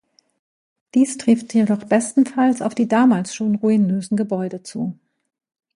Dies trifft jedoch bestenfalls auf die damals schon ruinösen Gebäude zu.